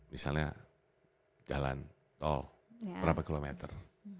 misalnya jalan tol berapa kilometer